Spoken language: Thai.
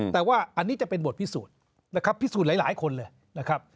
แต่ว่าอันนี้จะเป็นบทพิสูจน์นะครับพิสูจน์หลายคนเลยนะครับ